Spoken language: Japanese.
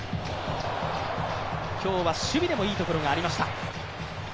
今日は守備でもいいところがありました。